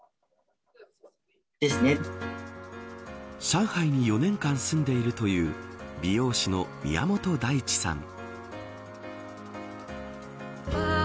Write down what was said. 上海に４年間住んでいるという美容師の宮本大地さん。